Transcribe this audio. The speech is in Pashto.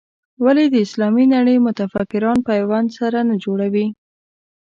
ولې د اسلامي نړۍ متفکران پیوند سره نه جوړوي.